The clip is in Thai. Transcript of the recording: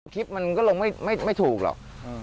คลิปมันก็ลงไม่ถูกหรอก